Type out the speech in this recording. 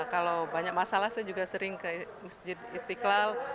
kalau banyak masalah saya juga sering ke masjid istiqlal